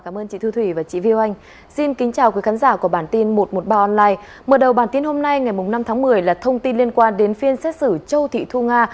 mở đầu bản tin hôm nay ngày năm tháng một mươi là thông tin liên quan đến phiên xét xử châu thị thu nga